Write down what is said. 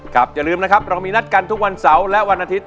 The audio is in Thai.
อย่าลืมนะครับเรามีนัดกันทุกวันเสาร์และวันอาทิตย